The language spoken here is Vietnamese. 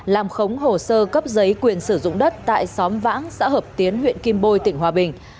làm khống hồ sơ cấp giấy quyền sử dụng đất tại xóm vãng xã hợp tiến huyện kim bôi tỉnh hòa bình